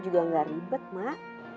juga nggak ribet mak